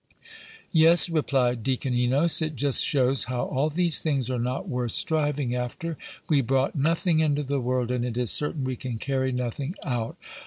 "Yes," replied Deacon Enos, "it just shows how all these things are not worth striving after. We brought nothing into the world, and it is certain we can carry nothing out."